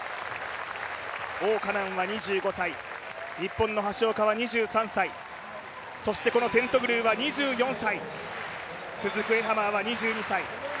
王嘉男は２５歳日本の橋岡は２３歳、そしてテントグルは２４歳、続くエハマーは２２歳。